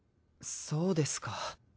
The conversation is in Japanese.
そうですか。